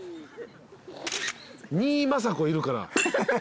２政子いるから。